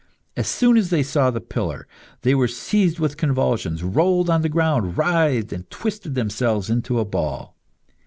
As soon as they saw the pillar, they were seized with convulsions, rolled on the ground, writhed, and twisted themselves into a ball.